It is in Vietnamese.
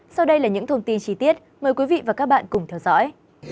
sau đây là những thông tin chi tiết mời quý vị và các bạn cùng theo dõi